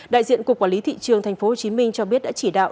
đại diện cục quản lý thị trường tp hcm cho biết đã chỉ đạo